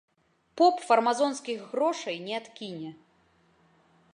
Поп фармазонскіх грошай не адкіне.